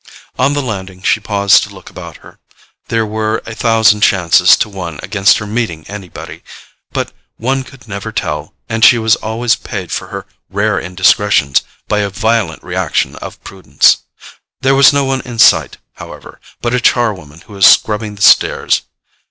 On the landing she paused to look about her. There were a thousand chances to one against her meeting anybody, but one could never tell, and she always paid for her rare indiscretions by a violent reaction of prudence. There was no one in sight, however, but a char woman who was scrubbing the stairs.